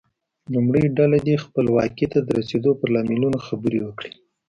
لومړۍ ډله دې خپلواکۍ ته د رسیدو پر لاملونو خبرې وکړي.